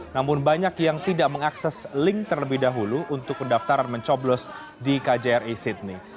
namun banyak yang tidak mengakses link terlebih dahulu untuk pendaftaran mencoblos di kjri sydney